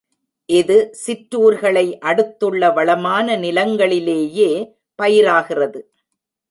இது சிற்றூர்களை அடுத்துள்ள வளமான நிலங்களிலேயே பயிராகிறது.